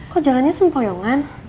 kok jalannya sempoyongan